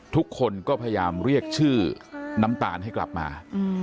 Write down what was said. ทุกคนก็พยายามเรียกชื่อน้ำตาลให้กลับมา